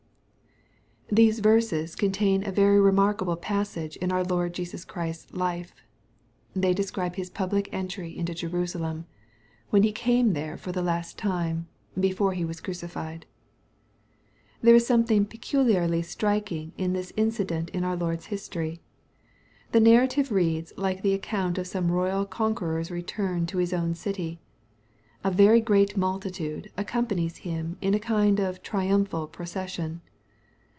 These verses contain a very remarkable passage in our Lord Jesus Christ's life. They describe His public entry into Jerusalem, when He came there for the last time, before He was crucified. There is something peculiarly striking in this incident in our Lord's history. The narrative reads like the account of some royal conqueror's return to his own city, " A very great multitude" accompanies him in a kind of triumphal procession.